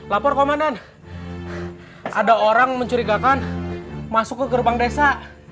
lapor komandan ada orang mencurigakan masuk ke gerbang desa